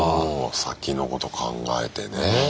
先のこと考えてね。